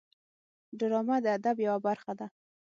ډرامه د ادب یوه برخه ده